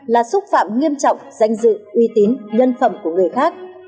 là xúc phạm nghiêm trọng danh dự uy tín nhân phẩm của người khác